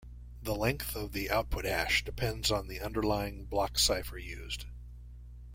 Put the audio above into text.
The length of the output hash depends on the underlying block cipher used.